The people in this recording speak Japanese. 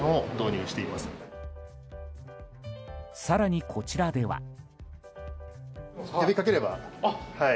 更に、こちらでは。